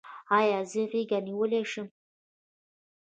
ایا زه غیږه نیولی شم؟